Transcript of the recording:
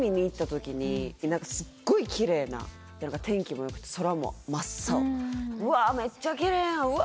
すっごいきれいな天気もよくて空も真っ青「うわめっちゃきれいやん！うわ！」